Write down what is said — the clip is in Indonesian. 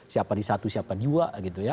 siapa di satu siapa di dua